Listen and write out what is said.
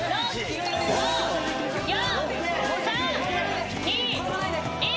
５・４・３・２・１。